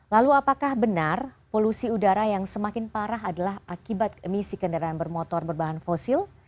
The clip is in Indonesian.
lalu apakah benar polusi udara yang semakin parah adalah akibat emisi kendaraan bermotor berbahan fosil